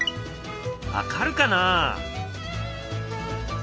分かるかな？